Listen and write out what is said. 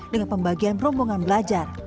dengan pembagian rombongan belajar